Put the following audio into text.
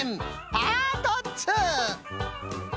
パート２！